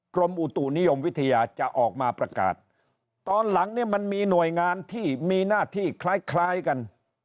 กรมอุตุนิยมวิทยาจะออกมาประกาศตอนหลังเนี่ยมันมีหน่วยงานที่มีหน้าที่คล้ายคล้ายกัน